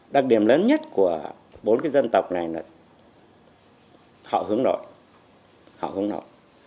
đặc điểm lớn nhất của bốn dân tộc này là họ hướng nội